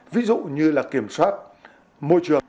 ví dụ như là kiểm soát môi trường